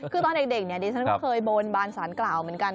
คือตอนเด็กชั้นเคยบนบานสารกล่าวเหมือนกัน